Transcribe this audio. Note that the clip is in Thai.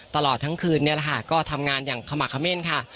ตลอดทั้งคืนเนี้ยนะคะก็ทำงานอย่างขมะขมิ้นค่ะ